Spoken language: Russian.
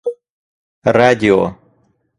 радио